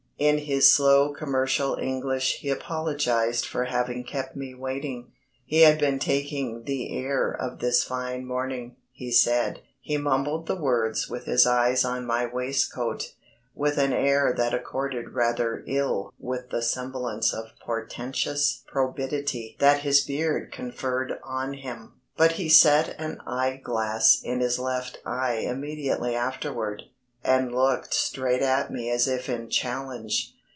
In his slow commercial English he apologised for having kept me waiting; he had been taking the air of this fine morning, he said. He mumbled the words with his eyes on my waistcoat, with an air that accorded rather ill with the semblance of portentous probity that his beard conferred on him. But he set an eye glass in his left eye immediately afterward, and looked straight at me as if in challenge.